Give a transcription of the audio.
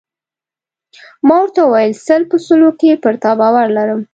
ما ورته وویل: سل په سلو کې پر تا باور لرم.